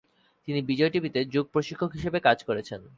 তিনি বিজয় টিভিতে যোগ প্রশিক্ষক হিসাবে কাজ করেছেন।